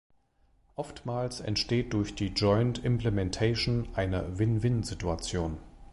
Oftmals entsteht durch die Joint Implementation eine Win-Win-Situation.